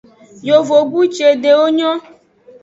Yovogbu cede nyon.